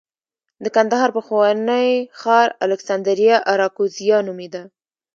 د کندهار پخوانی ښار الکسندریه اراکوزیا نومېده